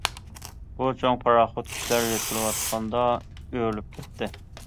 بۇ چوڭ پاراخوت كىشىلەر يۆتكىلىۋاتقاندا ئۆرۈلۈپ كەتتى.